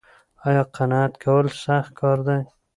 ایا قناعت کول سخت کار دی؟